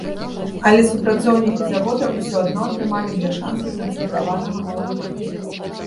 Але супрацоўнікі завода ўсё адно атрымалі бляшанкі канцэнтраванага малака.